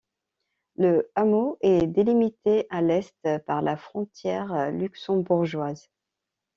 Le hameau est délimité à l’est par la frontière luxembourgeoise.